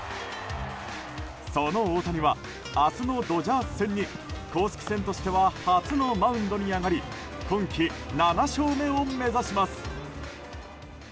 その大谷は明日のドジャース戦に公式戦としては初のマウンドに上がり今季７勝目を目指します。